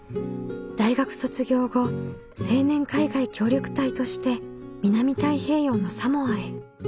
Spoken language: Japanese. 大学卒業後青年海外協力隊として南太平洋のサモアへ。